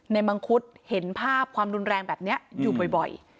มังคุดเห็นภาพความรุนแรงแบบนี้อยู่บ่อย